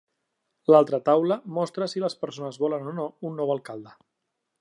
L'altra taula mostra si les persones volen o no un nou alcalde.